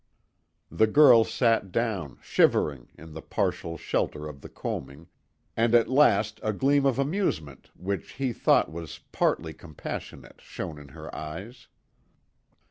The girl sat down, shivering, in the partial shelter of the coaming, and at last a gleam of amusement which he thought was partly compassionate shone in her eyes.